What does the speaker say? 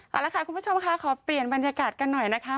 เอาละค่ะคุณผู้ชมค่ะขอเปลี่ยนบรรยากาศกันหน่อยนะคะ